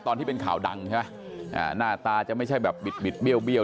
ตอนที่เป็นข่าวดังใช่ไหมอ่าหน้าตาจะไม่ใช่แบบบิดบิดเบี้ย